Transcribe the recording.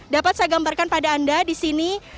dapat saya gambarkan pada anda di sini